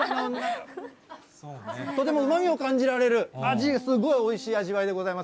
とてもうまみを感じられる味、すごいおいしい味わいでございます。